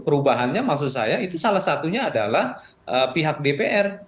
perubahannya maksud saya itu salah satunya adalah pihak dpr